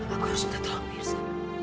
aku harus minta tolong mirza